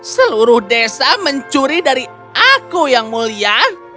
seluruh desa mencuri dari aku yang mulia